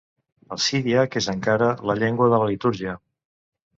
El siríac és encara la llengua de la litúrgia.